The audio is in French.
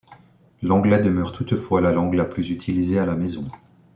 L’anglais demeure toutefois la langue la plus utilisée à la maison.